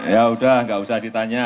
ya udah nggak usah ditanya